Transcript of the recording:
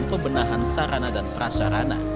pembenahan sarana dan prasarana